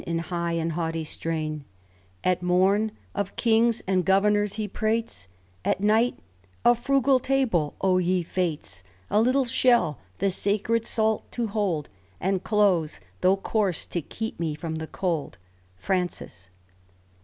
In high and haughty strain At morn, of kings and governors he prates ; At night, — 'A frugal table, O ye fates, ' A little shell the sacred salt to hold, ' And clothes, tho' coarse, to keep me from the cold.* " Francis.